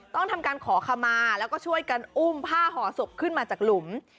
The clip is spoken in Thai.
ต้องทำการขอขมาแล้วก็ช่วยกันอุ้มผ้าห่อศพขึ้นมาจากหลุม